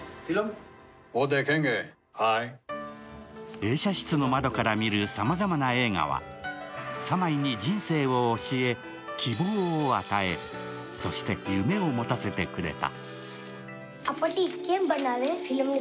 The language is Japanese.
映写室の窓から見るさまざまな映画は、サマイに人生を教え希望を与え、そして夢を持たせてくれた。